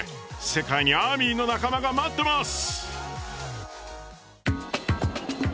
世界にアーミーの仲間が待ってます！